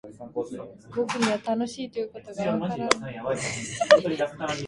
彼は彼の友に揶揄せられたる結果としてまず手初めに吾輩を写生しつつあるのである